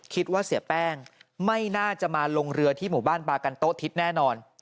คิดว่าเสียแป้งไม่น่าจะมาลงเรือที่หมู่บ้านบากันโต๊ทิศแน่นอน